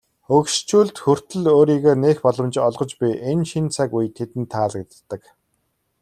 Хөгшчүүлд хүртэл өөрийгөө нээх боломж олгож буй энэ шинэ цаг үе тэдэнд таалагддаг.